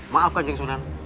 maaf kan sunan